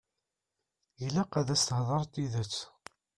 Ilaq ad as-theḍṛeḍ tidet.